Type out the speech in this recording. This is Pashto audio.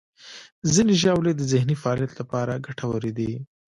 ځینې ژاولې د ذهني فعالیت لپاره ګټورې دي.